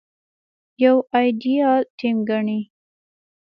يو ايديال ټيم ګڼي.